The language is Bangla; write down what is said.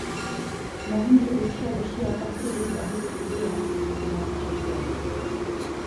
মহেন্দ্র উঠিয়া বসিয়া তাহাকে দুই বাহুতে তুলিয়া আপনার পাশে শোয়াইল।